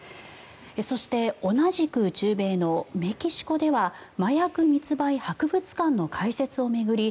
そして同じく中米のメキシコでは麻薬密売博物館の開設を巡り